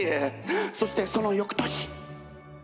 そしてその翌年。